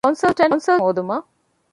ކޮންސަލްޓަންޓެއް ހޯދުމަށް